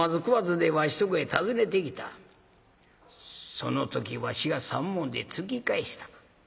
その時わしが３文で突き返した。